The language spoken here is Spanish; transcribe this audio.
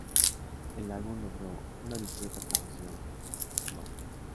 El álbum logró una discreta posición No.